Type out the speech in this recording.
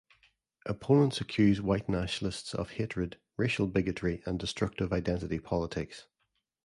Opponents accuse white nationalists of hatred, racial bigotry and destructive identity politics.